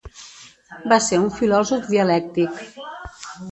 Va ser un filòsof dialèctic.